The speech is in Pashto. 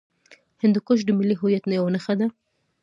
هندوکش د ملي هویت یوه نښه ده.